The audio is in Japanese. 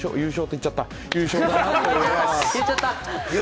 言っちゃった。